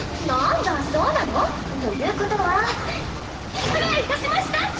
なんだそうなの？ということは失礼いたしました！